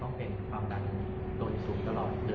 หรือเป็นอะไรที่คุณต้องการให้ดู